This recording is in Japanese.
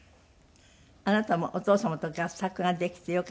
あなたもお父様と合作ができてよかったんじゃないですか？